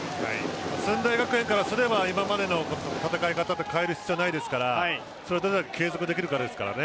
駿台学園からすれば今までの戦い方を変える必要はないですから継続できるかですからね。